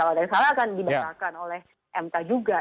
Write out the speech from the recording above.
yang salah akan dibatalkan oleh mk juga